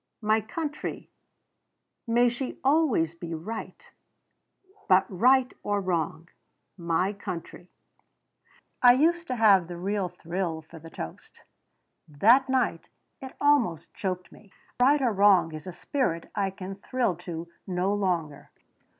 "'My country may she always be right but right or wrong my country.' "I used to have the real thrill for that toast. That night it almost choked me. That 'right or wrong' is a spirit I can thrill to no longer.